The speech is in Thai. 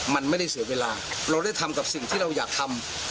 มันไม่ได้เสียเวลาเราได้ทำกับสิ่งที่เราอยากทำ